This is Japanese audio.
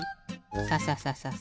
サササササ。